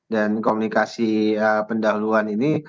dan komunikasi pendahuluan ini